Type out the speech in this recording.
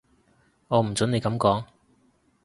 我唔準你噉講